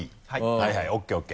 はいはいＯＫＯＫ。